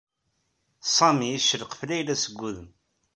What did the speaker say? Sami icelqef Layla seg udem.